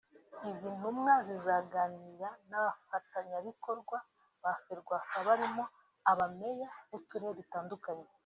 izi ntumwa zizaganira n’abafatanyabikorwa ba Ferwafa barimo abameya b’uturere dutandukanye